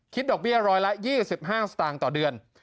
ดอกเบี้ยร้อยละ๒๕สตางค์ต่อเดือน